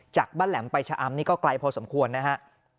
จากบ้านแหลมไปชะอำนี่ก็ไกลพอสมควรนะฮะ